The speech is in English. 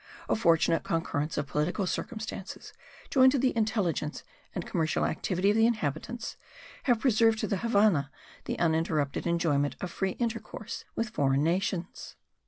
A fortunate concurrence of political circumstances, joined to the intelligence and commercial activity of the inhabitants, have preserved to the Havannah the uninterrupted enjoyment of free intercourse with foreign nations.